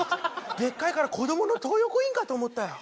でっかいから子供の東横インかと思ったよ